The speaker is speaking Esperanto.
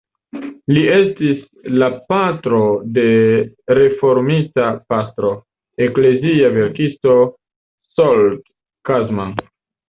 Li estis la patro de reformita pastro, eklezia verkisto Zsolt Kozma.